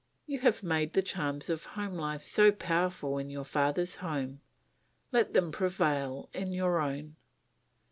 You have made the charms of home life so powerful in your father's home, let them prevail in your own.